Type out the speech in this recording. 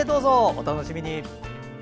お楽しみに。